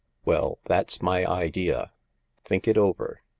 Well, that's my idea ; think it over.